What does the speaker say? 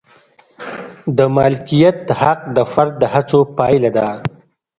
د مالکیت حق د فرد د هڅو پایله ده.